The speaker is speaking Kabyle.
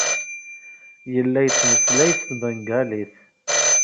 Yella yettmeslay s tbengalit.